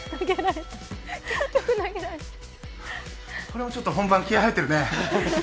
これもちょっと本番気合い入ってるね。